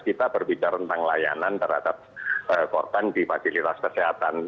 kita berbicara tentang layanan terhadap korban di fasilitas kesehatan